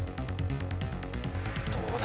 どうだ？